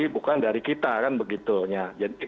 bukan dari kita kan begitunya